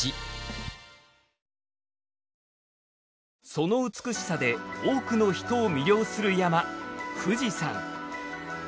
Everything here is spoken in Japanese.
その美しさで多くの人を魅了する山富士山。